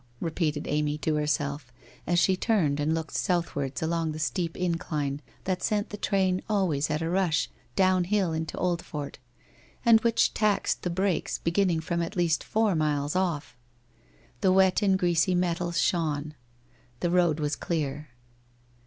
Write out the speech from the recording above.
re peated Amy to herself, as she turned and looked south wards along the steep incline that sent the train always at a rush downhill into Oldfort, and which taxed the brakes beginning from at least four miles off. The wet and greasy metals shone .., the road was clear.